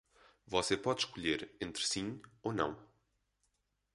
Você pode escolher entre sim ou não.